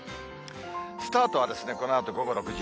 スタートはですね、このあと午後６時。